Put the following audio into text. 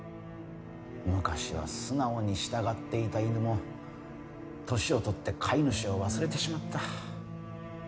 昔は素直に従っていた犬も年を取って飼い主を忘れてしまった。